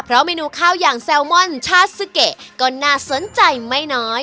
เพราะเมนูข้าวอย่างแซลมอนชาซูเกะก็น่าสนใจไม่น้อย